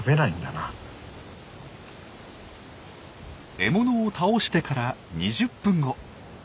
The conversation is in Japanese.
獲物を倒してから２０分後。